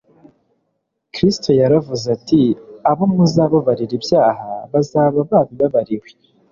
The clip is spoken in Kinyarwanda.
Kristo yaravuze ati: "abo muzababarira ibyaha, bazaba babibabariwe,